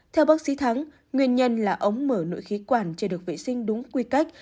theo bác sĩ thắng nguyên nhân là ống mở nội khí quản chưa được vệ sinh đúng quy cách